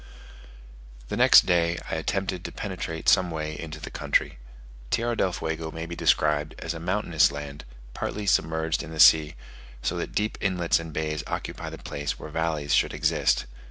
The next day I attempted to penetrate some way into the country. Tierra del Fuego may be described as a mountainous land, partly submerged in the sea, so that deep inlets and bays occupy the place where valleys should exist.